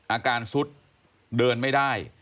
อาการซุดเดินไม่ได้